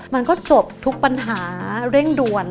มันก็จบทุกปัญหาเร่งด่วน